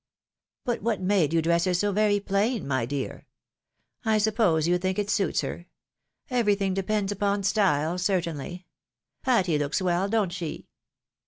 But what made you dress her so very plain, my dear ? I suppose you think it suits her ; every thing depends upon style, certainly. Patty looks well, don't she